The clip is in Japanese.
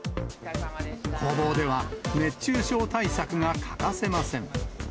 工房では熱中症対策が欠かせません。